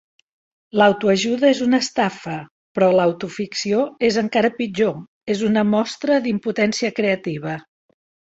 L'autoajuda és una estafa, però l'autoficció és encara pitjor, és una mostra d'impotència creativa.